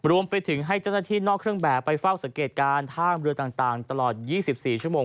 รวมไปถึงให้เจ้าหน้าที่นอกเครื่องแบบไปเฝ้าสังเกตการณ์ท่ามเรือต่างตลอด๒๔ชั่วโมง